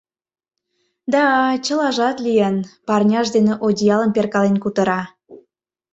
— Да, чылажат лийын, — парняж дене одеялым перкален кутыра.